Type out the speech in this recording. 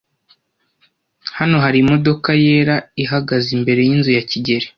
Hano hari imodoka yera ihagaze imbere yinzu ya kigeli.